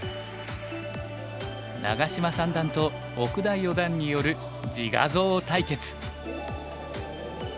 長島三段と奥田四段による自画像対決。